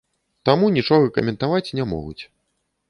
Таму нічога каментаваць не могуць.